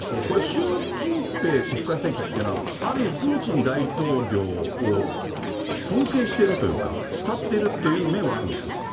これ、習近平国家主席っていうのは、ある意味、プーチン大統領を尊敬しているというか、慕っているという面はあるんですか。